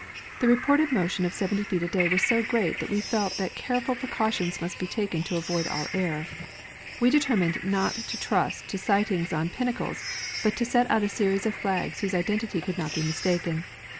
The reported motion of 70 feet a day was so great that we felt that careful pre cautions must be taken to avoid all error. We determined not to trust to sighting on pinnacles, but to set out a series of flags whose identity could not be mistaken.